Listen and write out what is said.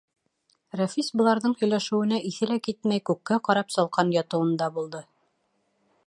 Рәфис быларҙың һөйләшеүенә иҫе лә китмәй, күккә ҡарап салҡан ятыуында булды.